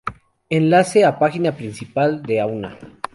Enlace a página principal de auna